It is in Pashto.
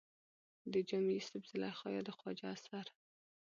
د جامي يوسف زلېخا يا د خواجه اثر